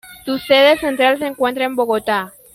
Su sede central se encuentra en Bogotá.